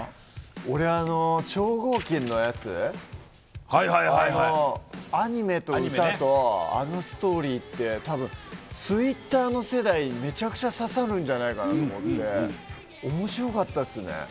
俺、超合金のやつアニメと歌とあのストーリーってたぶん、Ｔｗｉｔｔｅｒの世代にめちゃくちゃ刺さるんじゃないかと思って面白かったっすね。